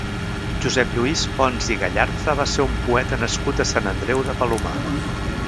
Josep Lluís Pons i Gallarza va ser un poeta nascut a Sant Andreu de Palomar.